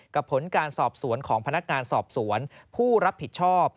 ผลการสอบสวนของพนักงานสอบสวนผู้รับผิดชอบ